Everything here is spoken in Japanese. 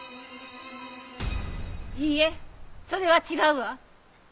いいえそれは違うわ。